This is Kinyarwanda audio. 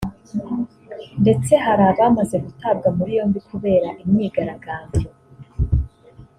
ndetse hari abamaze gutabwa muri yombi kubera imyigaragambyo